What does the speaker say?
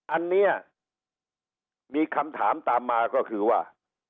อันนี้มีคำถามตามมาก็คือว่า